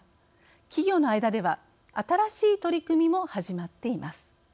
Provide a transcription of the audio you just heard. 企業の間では新しい取り組みも始まっています。